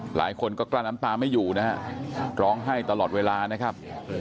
หลายคนก็กลั้นน้ำตาไม่อยู่นะฮะร้องไห้ตลอดเวลานะครับ